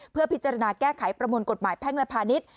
เพื่อพิจารณาแก้ไขประมวลกฎหมายแพ่งและพาณิชย์